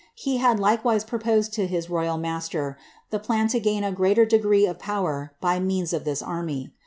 He had likewise proposed to his royal master the plan to gain a greater degree of power by means of this army.